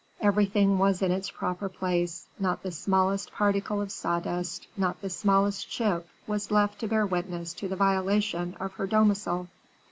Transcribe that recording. Everything was in its proper place not the smallest particle of sawdust, not the smallest chip, was left to bear witness to the violation of her domicile.